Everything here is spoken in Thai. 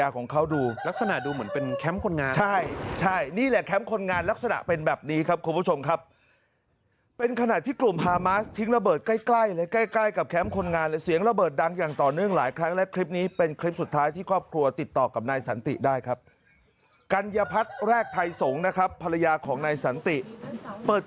ก็คลิปที่สันติบุญพร้อมใหญ่๓๕ปี